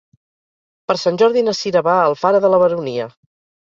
Per Sant Jordi na Cira va a Alfara de la Baronia.